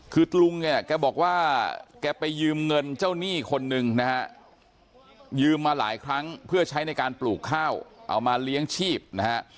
คือลุงเนี่ยแกบอกว่าแกไปยืมเงินเจ้าหนี้คนนึงนะฮะยืมมาหลายครั้งเพื่อใช้ในการปลูกข้าวเอามาเลี้ยงชีพนะฮะ